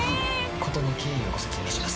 事の経緯をご説明します。